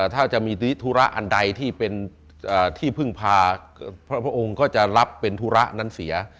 ถ้าจะมีธุระอันใดที่เป็นที่พึ่งพาพระองค์ก็จะรับเป็นธุระนั้นเสีย